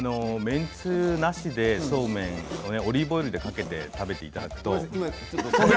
麺つゆはなしでそうめんオリーブオイルにかけて食べていただくという。